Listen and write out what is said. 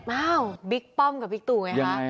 อ้าวบิ๊กป้อมกับบิ๊กตู่ไงคะ